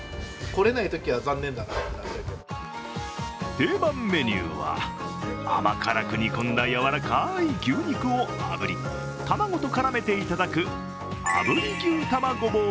定番メニューは甘辛く煮込んだやわらかい牛肉をあぶり卵と絡めていただく炙り牛玉こぼう